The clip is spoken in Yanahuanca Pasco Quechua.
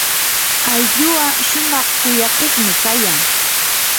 ayllua shumaq kuyakuqmi kayan.